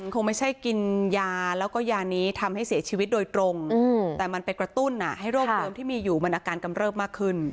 คงไม่ใช่กินยาแล้วก็ยานี้ทำให้เสียชีวิตโดยตรงแต่มันไปกระตุ้นให้โรคเดิมที่มีอยู่มันอาการกำเริบมากขึ้น